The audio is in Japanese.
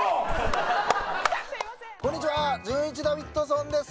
こんにちはじゅんいちダビッドソンです。